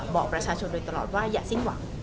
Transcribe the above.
บอกประชาชนโดยตลอดว่าอย่าสิ้นหวัง